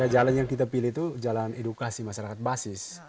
jalan yang kita pilih itu jalan edukasi masyarakat basis